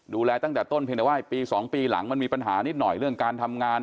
ตั้งแต่ต้นเพียงแต่ว่าปี๒ปีหลังมันมีปัญหานิดหน่อยเรื่องการทำงาน